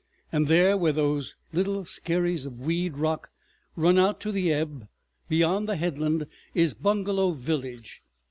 "And there, where those little skerries of weed rock run out to the ebb, beyond the headland, is Bungalow village.